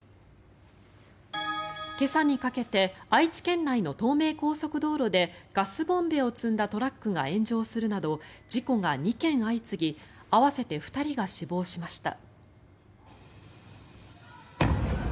今朝にかけて愛知県内の東名高速道路でガスボンベを積んだトラックが炎上するなど事故が２件相次ぎ合わせて２人が死亡しました。